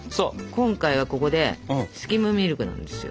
今回はここでスキムミルクなんですよ。